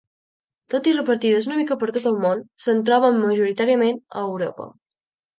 Tot i repartides una mica per tot el món, se'n troba majoritàriament a Europa.